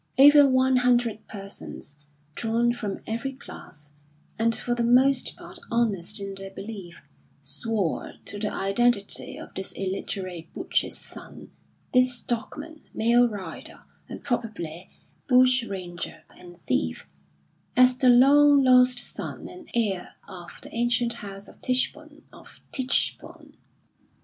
Over one hundred persons, drawn from every class, and for the most part honest in their belief, swore to the identity of this illiterate butcher's son this stockman, mail rider and probably bushranger and thief as the long lost son and heir of the ancient house of Tichborne of Titchborne.